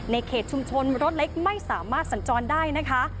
เขตชุมชนรถเล็กไม่สามารถสัญจรได้นะคะ